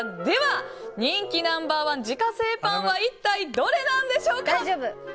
では人気ナンバー１自家製パンは一体、どれなんでしょうか。